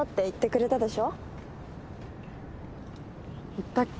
言ったっけ？